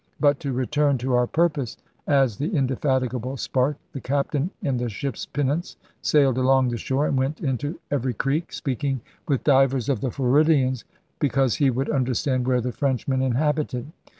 *But to return to our purpose,' adds the indefatigable Sparke, *the captain in the ship's pinnace sailed along the shore and went into every creek, speaking with divers of the Floridians, be cause he would understand where the Frenchmen inhabited.'